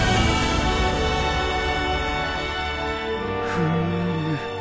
フーム。